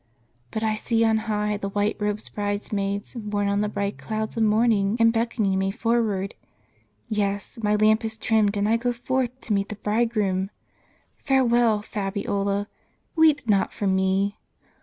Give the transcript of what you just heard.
But I see on high the white robed bridesmaids borne on the bright clouds of morning, and beckoning me for ward. Yes, my lamp is trimmed, and I go forth to meet the Bi'idegroom. Farewell, Fabiola; weep not for me.